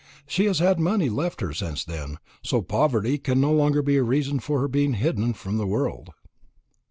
She has had money left her since then; so poverty can no longer be a reason for her being hidden from the world."